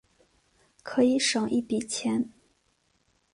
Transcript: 可以省一笔钱